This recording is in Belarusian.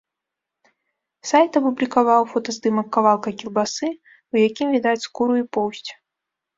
Сайт апублікаваў фотаздымак кавалка кілбасы, у якім відаць скуру і поўсць.